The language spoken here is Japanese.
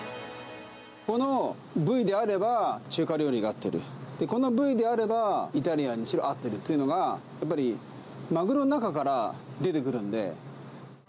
この部位であれば、中華料理が合ってる、この部位であれば、イタリアンが合ってるというのが、やっぱり、マグロの中から出てくるんで。